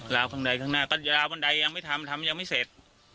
ข้างใดข้างหน้าก็จะราวบันไดยังไม่ทำทำยังไม่เสร็จ